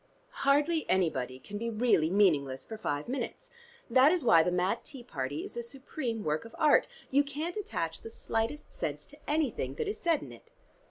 Hardly anybody can be really meaningless for five minutes. That is why the Mad Tea Party is a supreme work of art: you can't attach the slightest sense to anything that is said in it."